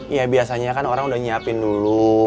ya biasanya kan orang udah nyiapin dulu